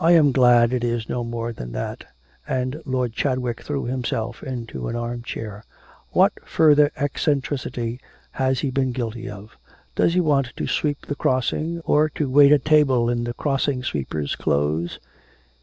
'I am glad it is no more than that,' and Lord Chadwick threw himself into an arm chair. 'What further eccentricity has he been guilty of? Does he want to sweep the crossing, or to wait at table in the crossing sweeper's clothes?'